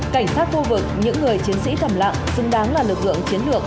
cảnh sát khu vực những người chiến sĩ thầm lặng xứng đáng là lực lượng chiến lược